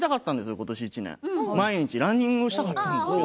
今年１年、毎日ランニングしたかったんです。